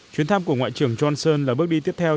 chuyến thăm của ngoại trưởng johnson là bước đi tiếp theo